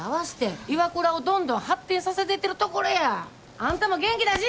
あんたも元気出し！